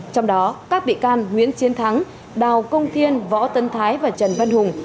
trong đó các bị can nguyễn chiến thắng đào công thiên võ tân thái và trần văn hùng